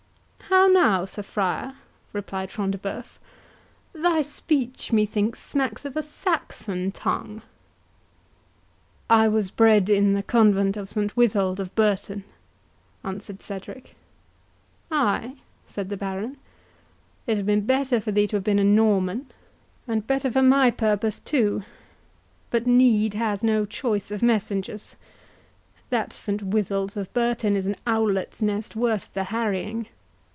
"How now, Sir Friar," replied Front de Bœuf, "thy speech, methinks, smacks of a Saxon tongue?" "I was bred in the convent of St Withold of Burton," answered Cedric. "Ay?" said the Baron; "it had been better for thee to have been a Norman, and better for my purpose too; but need has no choice of messengers. That St Withold's of Burton is an owlet's nest worth the harrying.